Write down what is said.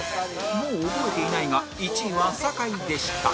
もう覚えていないが１位は酒井でした